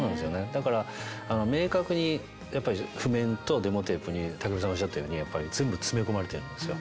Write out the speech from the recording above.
だから明確にやっぱり譜面とデモテープに武部さんがおっしゃったようにやっぱり全部詰め込まれてるんですよ。